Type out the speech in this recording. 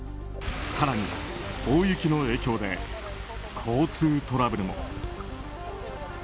更に大雪の影響で交通トラブルも。